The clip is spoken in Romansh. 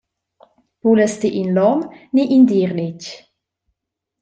Vulas ti in lom ni in dir letg?